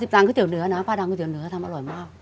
๕๐ตังค์ก๋วยเตี๋ยวเนื้อนะป้าดังก๋วยเตี๋ยวเนื้อทำอร่อยมาก